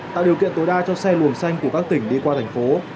tạo điều kiện tối đa cho xe luồng xanh